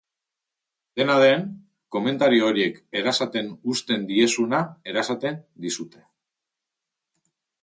Dena den, komentario horiek erasaten uzten diezuna erasaten dizute.